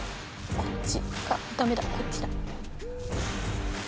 こっちあダメだこっちだ。